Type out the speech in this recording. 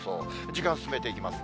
時間進めていきます。